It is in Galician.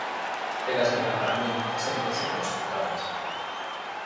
Elas miran para min e séntense como escritoras.